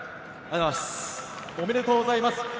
ありがとうございます。